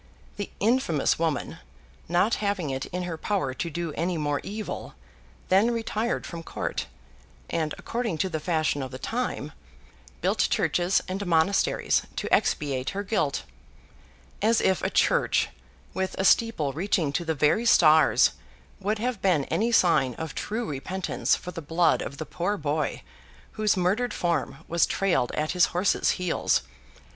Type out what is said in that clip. The infamous woman, not having it in her power to do any more evil, then retired from court, and, according, to the fashion of the time, built churches and monasteries, to expiate her guilt. As if a church, with a steeple reaching to the very stars, would have been any sign of true repentance for the blood of the poor boy, whose murdered form was trailed at his horse's heels!